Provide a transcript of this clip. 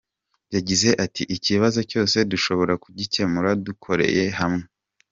Yagize ati “Ikibazo cyose dushobora kugikemura dukoreye hamwe.